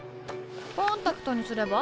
コンタクトにすれば？